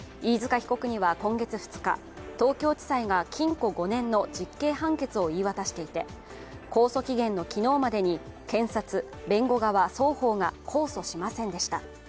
被告には今月２日東京地裁が禁錮５年の実刑判決を言い渡していて控訴期限の昨日までに検察、弁護側双方が控訴しませんでした。